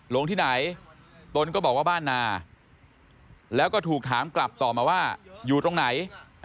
ลงที่ไหนตนก็บอกว่าบ้านนาแล้วก็ถูกถามกลับต่อมาว่าอยู่ตรงไหน